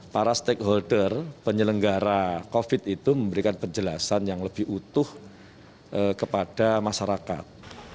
para stakeholder penyelenggara covid itu memberikan penjelasan yang lebih utuh kepada masyarakat